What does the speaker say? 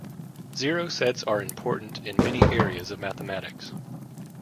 Zero sets are important in many areas of mathematics.